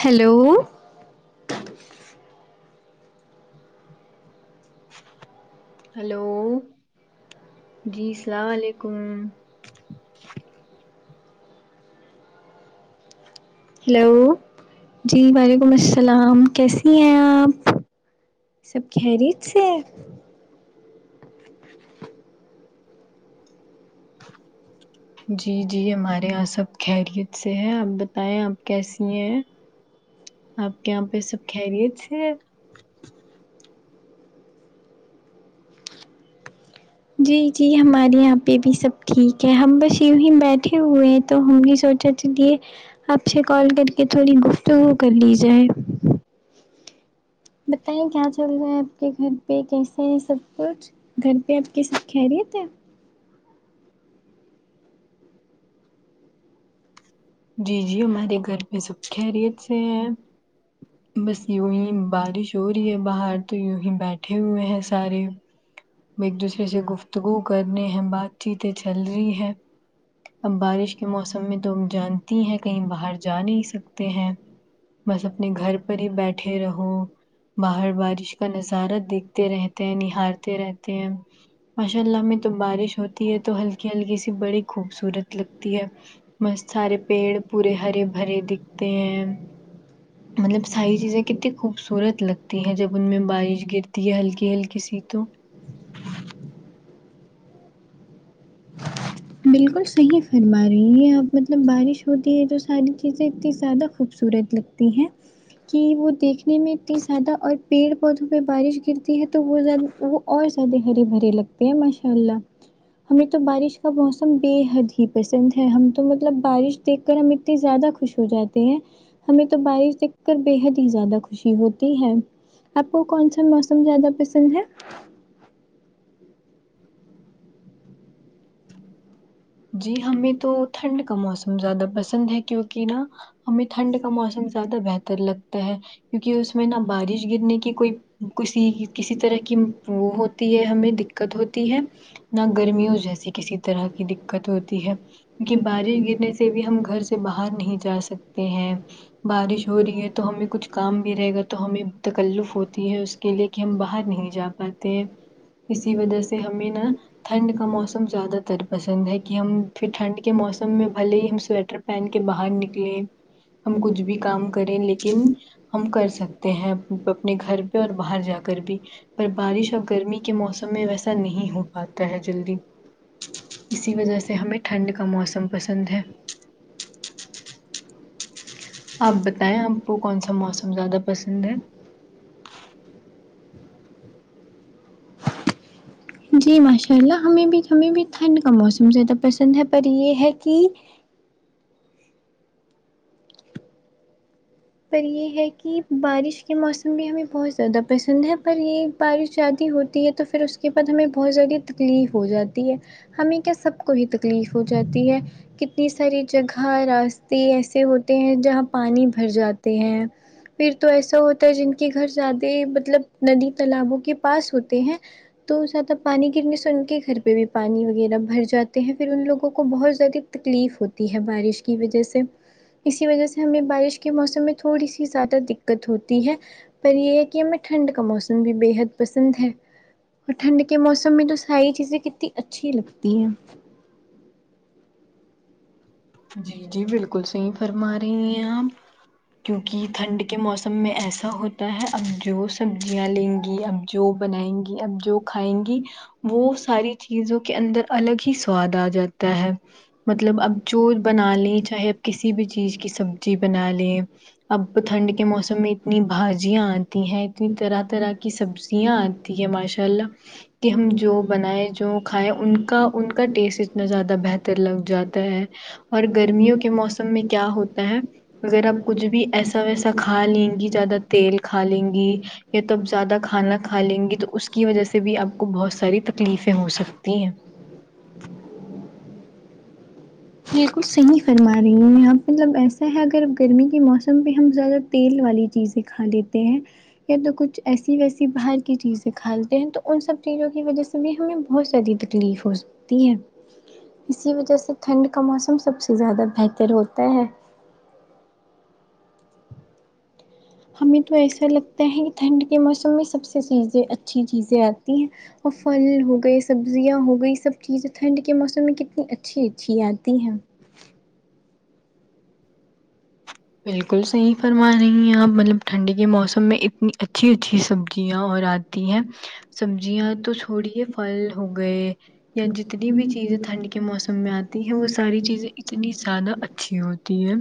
hello hello جی السلام علیکم ہیلو جی وعلیکم السلام کیسی ہیں آپ سب خیریت سے ہے جی جی ہمارے یہاں سب خیریت سے ہے آپ بتائیں آپ کیسی ہیں آپ کے یہاں پہ سب خیریت ہے جی جی ہمارے یہاں پہ بھی سب ٹھیک ہے ہم بس یوں ہی بیٹھے ہوئے ہیں تو ہم بھی سوچا اس لیے آپ سے کال کر کے تھوڑی گفتگو کر لی جائے بتائیں کیا چل رہا ہے آپ کے گھر پہ کیسے ہیں سب کچھ گھر پہ آپ کا سب خیریت ہے جی جی ہمارے گھر پہ سب خیریت سے ہیں بس یوںی بارش ہو رہی ہے باہر تو یوں ہی بیٹھے ہوئے ہیں سارے ایک دوسرے سے گفتگو کرنے ہیں بات چیتیں چل رہی ہے اب بارش کے موسم میں تم جان ہیں کہیں باہر جا نہیں سکتے ہیں بس اپنے گھر پر ہی بیٹھے رہو باہر بارش کا نظارہ دیکھتے رہتے ہیں نہارتے رہتے ہیں ماشاء اللہ میں تو بارش ہوتی ہے تو ہلکی ہلکی سی بڑی خوبصورت لگتی ہے مست سارے پیڑ پورے ہرے بھرے دکھتے ہیں ہ مطلب ساری چیزیں کتنی خوبصورت لگتی ہیں جب ان میں بارش گرتی ہے ہلکی ہلکی سی تو بالکل صحیح فرما رہے یہ اب مطلب بارش ہوتی ہے تو ساری چیزیں اتنی زیادہ خوبصورت لگتی ہیں کہ وہ دیکھنے میں اتنی زیادہ اور پیڑ پودوں پہ بارش گرتی ہے تو وہ زیادہ وہ اور زیادہ ہرے بھرے لگتے ہیں ماشاء اللہ ہم نے تو بارش موسم بے حد ہی پسند ہے ہم تو مطلب بارش دیکھ کر ہم اتنے زیادہ خوش ہو جاتے ہیں ہمیں تو بارش دیکھ کر بےحد ہی زیادہ خوشی ہوتی ہے آپ کو کون سا موسم زیادہ پسند ہے جی ہمیں تو ٹھنڈ کا موسم زیادہ پسند ہے کیونکہ نا ہمیں ٹھنڈ کا موسم زیادہ بہتر لگتا ہے کیونکہ اس میں نہ بارش گرنے کی کوئی کسی کسی طرح کی وہ ہوتی ہے ہمیں د دقت ہوتی ہے نہ گرمیوں جیسی کسی طرح کی دقت ہوتی ہے کیون کہ بارش گرنے سے بھی ہم گھر سے باہر نہیں جا سکتے ہیں بارش ہو رہی ہے تو ہمیں کچھ کام بھی رہے گا تو ہمیں تکلیف ہوتی ہے اس کے لے کہ ہم باہر نہیں جا پاتے اسی وجہ سے ہمیں نا ٹھنڈ کا موسم زیادہ تر پسند ہے کہ ہم پھر ٹھنڈ کے موسم میں بلے ہی ہم سویٹر پہن کے باہر نکلے ہم کچھ بھی کام کریں لیکن ہم کر سکتے ہیں اپنے گھر پہ اور باہر جا کر بھی پر بارش اور گرمی کے موسم میں ویسا نہیں ہو پاتا ہے جلدی اسی وجہ سے ہمیں ٹھنڈ کا موسم پسند ہے ہاں ہم کو پتا ہے کون سا موسم پسند ہے جی ماشاء اللہ ہمیں بھی ہمیں بھی ٹھنڈ کا موسم زیادہ پسند ہے پر یہ ہے کہ پر یہ ہے کہ بارش کے موسم بھی ہمیں بہت زیادہ پسند ہے پر یہ بارش زیادی ہوتی ہے تو پھر اس کے بعد ہمیں بہت زیادہ تکلیف ہو جاتی ہے ہمیں کیا سب کوئی تکلیف ہو جاتی ہے کت اتنی ساری جگہ راستے ایسے ہوتے ہیں جہاں پانی بھر جاتے ہیں پھر تو ایسا ہوتا ہے جن کے گھر زیادہ مطلب ندی تالابوں کے پاس ہوتے ہیں تو زیادہ پانی گرنے سے ان کے گھر پہ بھی پانی وغیرہ بھر جاتے ہیں پھر ان لوگوں کو بہت زیادہ تکلیف ہوتی ہے بارش کی وجہ سے اسی وجہ سے ہمیں بارش کے موسم میں تھوڑی سی زیادہ دقت ہوتی ہے پر یہ ہے کہ ہمیں ٹھنڈ کا موسم بھی بےحد پسند ہے اور ٹھنڈ کے موسم میں تو ساری چیزیں کتنی اچھی لگتی ہیں جی جی بالکل صحیح فرما رہی ہیں آپ کیونکہ ٹھنڈ کے موسم میں ایسا ہوتا ہے اب جو سبزیاں لیں گی اب جو بنائیں گی اب جو کھائیں گی وہ ساری چیزوں کے اندر الگ ہی سواد آ جاتا ہے کہ مطلب بود بنا لیں چاہے کسی بھی چیز کی سبزی بنا لیں اب ٹھنڈ کے موسم میں اتنی بھاجیاں آتی ہیں اتنی طرح طرح کی سبزیاں آتی ہے ماشاء اللہ کہ ہم جو بنائیں جو کھائیں ان کا ان کا ٹیسٹ اتنا زیادہ بہتر لگ جاتا ہے اور گرمیوں کے موسم میں کیا ہوتا ہے اگر آپ کچھ بھی ایسا ویسا کھا لیں گی زیادہ تیل کھا لیں گی یا تو آپ زیادہ کھانا کھا لیں گی تو اس کی وجہ سے بھی آپ کو بہت ساری تکلیفیں ہو سکتی ہیں یہ کچ صحیح فرما رہی ہوں یہاں مطلب ایسا ہے اگر گرمی کے موسم پہ ہم زیادہ تیل والی چیزیں کھا لیتے ہیں یہ تو کچھ ایسی ویسی باہر کی چیزیں کھالے ہیں تو ان سب چیزوں کی وجہ سے ہمیں بہت زیادہ تکلیف ہو سکتی ہے اسی وجہ سے ٹھنڈ کا موسم سب سے زیادہ بہتر ہوتا ہے ہمیں تو ایسا لگتا ہے کہ ٹھنڈ کے موسم میں سب سے چیزیں اچھی چیزیں آتی ہیں اور پھل ہو گئے سبزیاں ہو گئی سب چیزیں ٹھنڈ کے موسم میں کتنی اچھی اچھی آتی ہیں بالکل صحیح فرما رہی ہیں آپ مطلب ٹھنڈی کے موسم میں اتنی اچھی اچھی سبزیاں اور آتی ہیں سبزیاں تو چھوڑیے پھل ہو گئے یا جتنی بھی چیزیں ٹھنڈ کے موسم میں آتی ہیں وہ ساری چیزیں اتنی زیادہ اچھی ہوتی ہے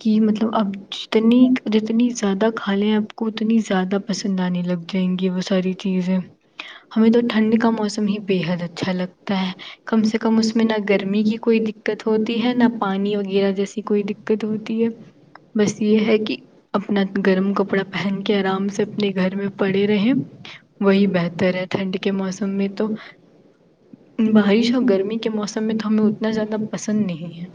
کہ مطلب آپ جتنی جتنی زیادہ کھا لیں آپ کو اتنی زیادہ پسند آنے لگ جائیں گی وہ ساری چیزیں ہمیں تو ٹھنڈ کا موسم ہی بےحد اچھا لگتا ہے کم سے کم کم اس میں نہ گرمی کی کوئی دقت ہوتی ہے نہ پانی وغیرہ جیسی کوئی دقت ہوتی بس یہ ہے کہ اپنا گرم کپڑا پہن کے آرام سے اپنے گھر میں پڑے رہے وہی بہتر ہے ٹھنڈ کے موسم میں تو بارش اور گرمی کے موسم میں تو ہمیں اتنا زیادہ پسند نہیں ہے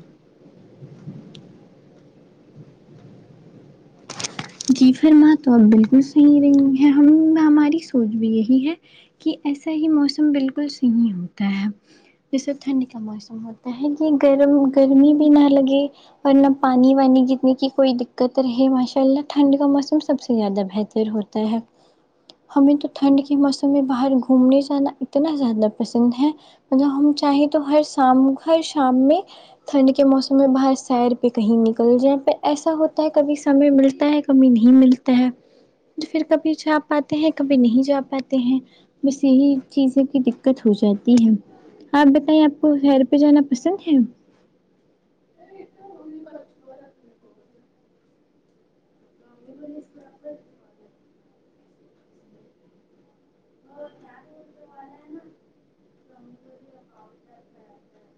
جی فرما تو آپ بالکل صحیح رہی ہیں ہم ہماری سوچ بھی یہی ہے کہ ایسا ہی موسم بالکل صحیح ہوتا ہے جیسے ٹھنڈ کا موسم ہوتا ہے کہ گرم گرمی بھی نہ لگے اور نہ پانی وانی گرنے کی کوئی دقت رہے مشاء پہلے ٹھنڈی کا موسم سب سے زیادہ بہتر ہوتا ہے ہمیں تو ٹھنڈ کے موسم میں باہر گھومنے جانا اتنا زیادہ پسند ہے مطلب ہم چاہیں تو ہر شام ہر شام میں ٹھنڈ کے موسم میں باہر سیر پہ کہیں نکل جائے پہ ایسا ہوتا ہے کبھی سمے مل کبھی نہیں ملتا ہے پھر کبھی جا پاتے ہیں کبھی نہیں جا پاتے ہیں بس یہی چیزوں کی دقت ہو جائے تی ہے آپ بتائیں آپ کو سیر پہ جانا پسند ہے [inaudible] او چار و نا [inaudible]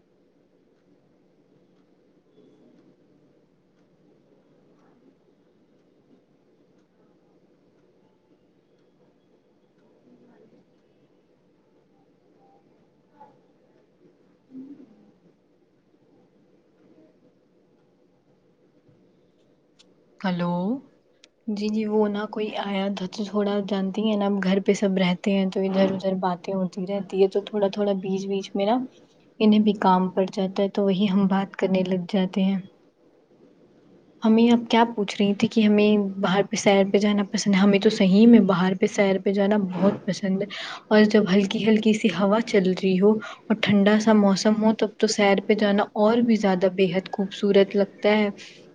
ہیلو جی جی وہ نہ کوئی آیا تھا تھو تھوڑا جن نا گھر پہ سب رہتے ہیں تو ادھر ادھر باتیں ہوتی رہتی ہے تو تھوڑا تھوڑا بیچ بیچ میں نا انہیں بھی کام پڑ جاتا ہے تو وہی ہم بات کرنے لگ جاتے ہیں ہمیں اب کیا پوچھ رہی تھی کہ ہمیں باہر سیر پہ جانا پسند ہے ہمیں تو صحیح میں باہر پہ سیر پہ جانا بہت پسند ہے اور جب ہلکی ہلکی سی ہوا چل رہی ہو اور ٹھنڈا سا موسم ہو تب تو سیر پہ جانا اور بھی زیادہ بے حد خوبصورت لگتا ہے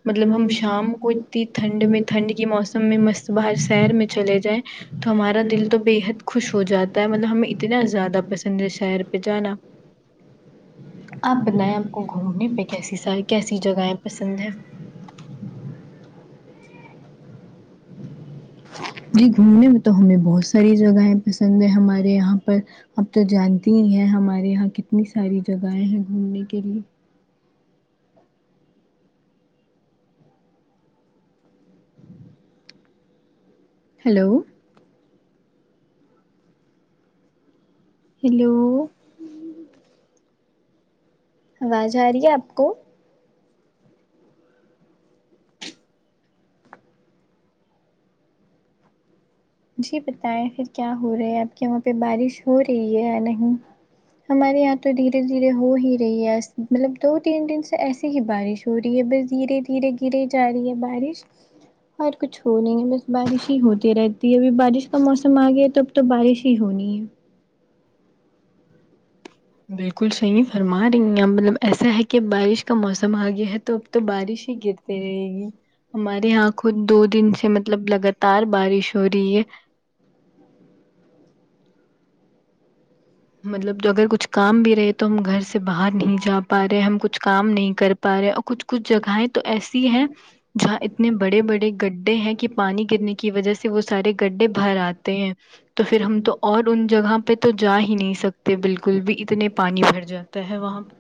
مطلب ہم شام کو اتنی ٹھنڈ میں ٹھنڈ کی موسم میں مست باہر شہر میں چلے جائے تو ہمارا دل تو بے حد خوش ہو جاتا ہے مطلب ہمیں اتنا زیادہ پسند ہے سیر پہ جانا آپ بتائیں آپ کو گھومنے پہ کیسی ساری کیسی جگہیں پسند ہے جی گھومنے میں تو ہمیں بہت ساری جگہیں پسند ہے ہمارے یہاں پر اب تو جانتی ہی ہیں ہمارے یہاں کتنی ساری جگ ہیں گھومنے کے لیے ہیلو ہیلو آواز آ رہی ہے آپ کو جی بتائیں پھر کیا ہو رہا ہے آپ کے یہاں پہ بارش ہو رہی ہے یا نہیں ہمارے یہاں تو دھیرے دھیرے ہو ہی رہی ہے مطلب دو تین دن سے ایسی ہی بارش ہو رہی ہے بس دھیرے دھیرے گرے جا رہی ہے بارش اور کچھ ہو نہیں ہے بس بارش ہی ہوتی رہتی ابھی بارش کا موسم آ گیا ہے تو اب تو بارش ہی ہونی ہے بالکل صحیح فرما رہی ہیں آپ مطلب ایسا ہے کہ بارش کا موسم آ گیا ہے تو تو بارش ہی گرتی رہے گی ہمارے یہاں خود دو دن سے مطلب لگاتار بارش ہو رہی ہے مطلب اگر کچھ کام بھی رہے تو ہم گھر سے سے باہر نہیں جا پا رہے ہم کچھ کام نہیں کر پا رہے اور کچھ کچھ جگہیں تو ایسی ہیں جہاں اتنے بڑے بڑے گڈھے ہیں کہ پانی گرنے کی وجہ سے وہ سارے گڈھے بھر آتے ہیں تو پھر ہم تو اور ان جگہ پہ تو جائیں نہیں سکتے بالکل بھی اتنے پانی بھر جاتا ہے وہاں پر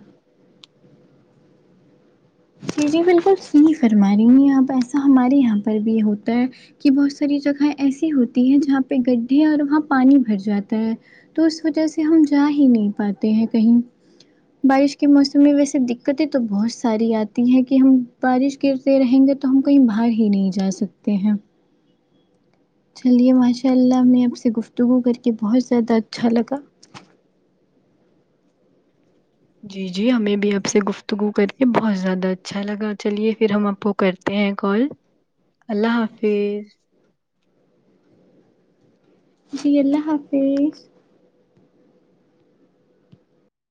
جی جی بالکل صحیح فرما رہی ہیں آپ ایسا ہمارے یہاں پر بھی ہوتا ہے کہ بہت ساری جگہیں ایسی ہوتی ہیں جہاں پہ گڈھے اور وہاں پانی بھر جاتا ہے تو اس وجہ سے ہم جا ہی نہیں پاتے ہیں کہیں بارش کے موسم میں ویسے دکتے تو بہت ساری آتی ہے کہ ہم بارش گرتے رہینگے تو ہم کہیں باہر ہی نہیں جا سکتے ہیں چلیے ماشاء اللہ ہمیں آپ سے گفتگو کر کے بہت زیادہ اچھا لگا جی جی ہمیں بھی آپ سے گفتگو کر کے بہت زیادہ اچھا لگا چلیے پھر ہم آپ کو کرتے ہیں کال اللہ حافظ جی اللہ حافظ